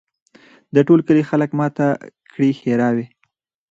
د ټول کلي خلک ماته کړي ښراوي